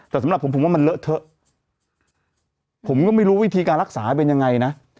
แต่สำหรับผมผมว่ามันเลอะเทอะผมก็ไม่รู้วิธีการรักษาเป็นยังไงนะ